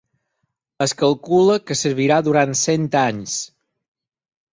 Es calcula que servirà durant cent anys.